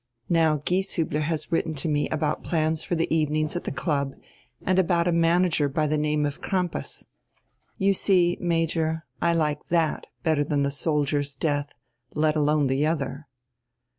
Now Gieshiibler has written to me about plans for the evenings at the club, and about a manager by the name of Crampas. You see, Major, I like diat better dian die soldier's death, let alone die other."